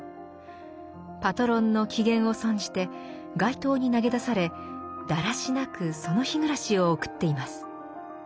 パトロンの機嫌を損じて街頭に投げ出されだらしなくその日暮らしを送っています。